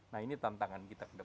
nah ini tantangan kita kedepan